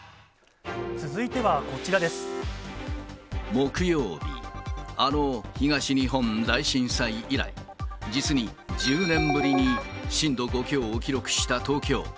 木曜日、あの東日本大震災以来、実に１０年ぶりに震度５強を記録した東京。